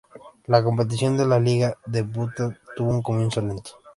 La competición de la liga en Bhután tuvo un comienzo lento.